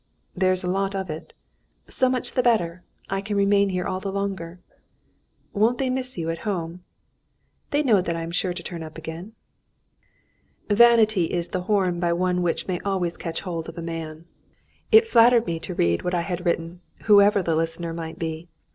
"There's a lot of it." "So much the better. I can remain here all the longer." "Won't they miss you at home?" "They know that I am sure to turn up again." Vanity is the horn by which one may always catch hold of a man. It flattered me to read what I had written, whoever the listener might be.